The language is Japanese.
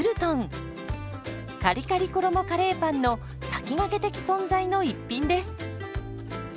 カリカリ衣カレーパンの先駆け的存在の一品です。